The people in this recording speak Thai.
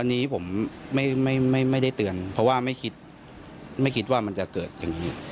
อันนี้ผมไม่ได้เตือนเพราะว่าไม่คิดไม่คิดว่ามันจะเกิดอย่างนี้